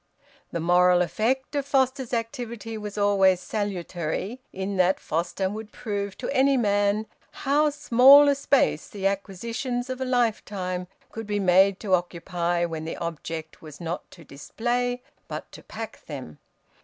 The moral effect of Foster's activity was always salutary, in that Foster would prove to any man how small a space the acquisitions of a lifetime could be made to occupy when the object was not to display but to pack them.